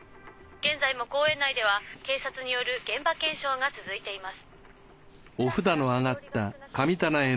現在も公園内では警察による現場検証が続いています。